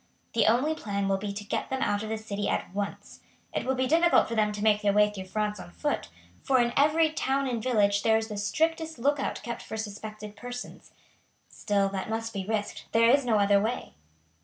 The only plan will be to get them out of the city at once. It will be difficult for them to make their way through France on foot, for in every town and village there is the strictest look out kept for suspected persons. Still, that must be risked; there is no other way."